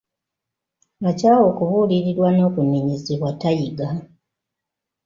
Akyawa okubuulirirwa n'okunenyezebwa tayiga.